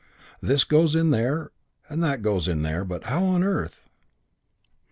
"This goes in there, and that goes in there, but how on earth